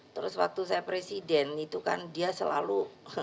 terus waktu saya presiden itu kan dia selalu